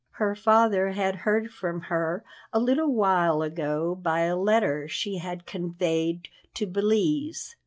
Her father had heard from her a little while ago by a letter she had had conveyed to Belize.